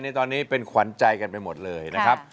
ในตอนนี้เป็นขวัญใจกันไปหมดเลยนะครับ